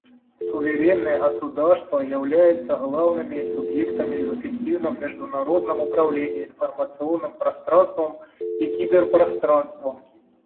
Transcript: Суверенные государства являются главными субъектами в эффективном международном управлении информационным пространством и киберпространством.